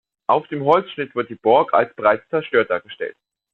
Auf dem Holzschnitt wird die Burg als bereits zerstört dargestellt.